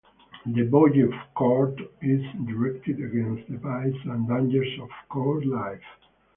"The Bowge of Court" is directed against the vices and dangers of court life.